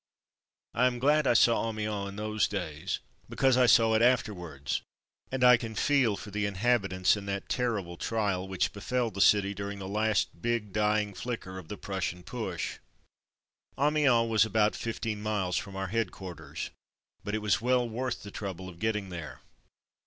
I am glad I saw Amiens in those days because I saw it afterwards, — and I can feel for the inhabitants in that terrible trial which befell the city during the last big dying flicker of the Prussian push. Amiens was about fifteen miles from our headquarters, but it was well worth the trouble of getting there.